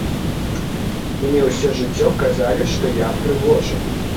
Мне ўсё жыццё казалі, што я прыгожы.